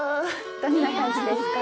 どんな感じですか？